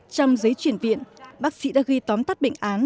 trong giấy chuyển viện bác sĩ đã ghi tóm tắt bệnh án